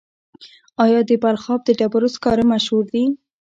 آیا د بلخاب د ډبرو سکاره مشهور دي؟